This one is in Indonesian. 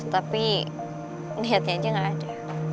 tapi niatnya aja gak ada